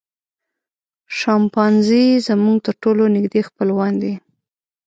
شامپانزي زموږ تر ټولو نږدې خپلوان دي.